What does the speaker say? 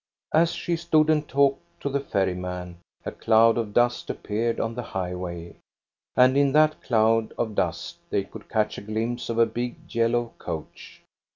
As she stood and talked to the ferryman, a cloud of dust appeared on the high way, and in that cloud of dust they could catch a glimpse of a big yellow coach.